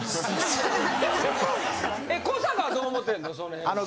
古坂はどう思ってんの？